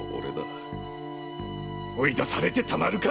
追い出されてたまるか！